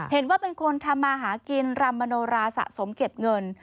เห็นว่าเป็นคนทำมาหากินรำมโนราสะสมเก็บเงิน